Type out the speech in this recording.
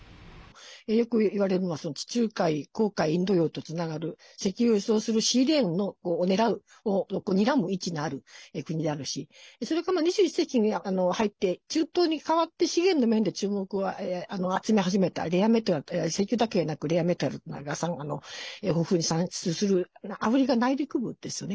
よく言われるのは地中海、紅海インド洋とつながる石油を輸送するシーレーンをにらむ位置にある国であるしそれから２１世紀に入って中東に代わって資源の面で注目を集め始めたレアメタル、石油だけでなくレアメタルが豊富に産出するアフリカ内陸部ですよね。